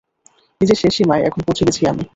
নিজের শেষ সীমায় এখন পৌঁছে গেছি আমি।